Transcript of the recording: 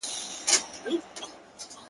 سړی خوښ دی چي په لوړ قېمت خرڅېږي.